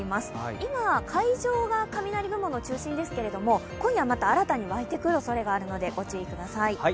今、海上が雷雲の中心ですが今夜また新たにわいてくるおそれがあるので、ご注意ください。